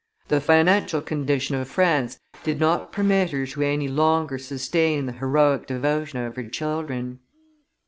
The financial condition of France did not permit her to any longer sustain the heroic devotion of her children.